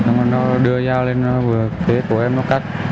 nó đưa dao lên phía của em nó cắt